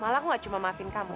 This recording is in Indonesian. malah aku nggak cuma maghin kamu